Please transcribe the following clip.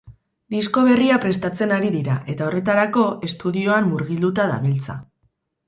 Disko berria prestatzen ari dira eta, horretarako, estudioan murgilduta dabiltza.